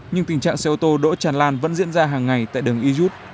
nhưng tình trạng xe ô tô đỗ tràn lan vẫn diễn ra hàng ngày tại đường yut